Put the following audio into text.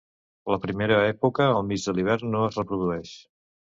La primera època, al mig de l'hivern, no es reprodueix.